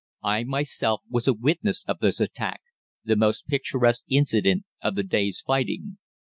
I myself was a witness of this attack, the most picturesque incident of the day's fighting.